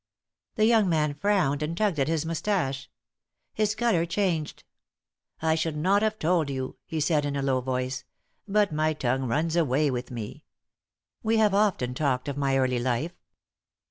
The young man frowned and tugged at his moustache. His colour changed. "I should not have told you," he said, in a low voice, "but my tongue runs away with me. We have often talked of my early life."